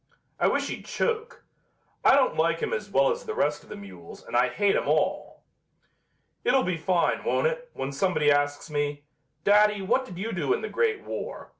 I wish he'd choke. I don't like him as well as the rest of the mules and I hate 'em all. "It'll be fine, won't it, when somebody asks me: 'Daddy, what did you do in the great war?'